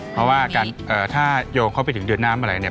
เพราะว่าถ้าโยงเข้าไปถึงเดือนน้ำอะไรเนี่ย